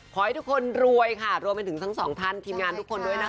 ขอให้ทุกคนรวยค่ะรวมไปถึงทั้งสองท่านทีมงานทุกคนด้วยนะคะ